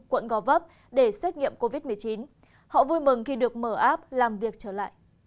quận gò vấp để xét nghiệm covid một mươi chín họ vui mừng khi được mở app làm việc trở lại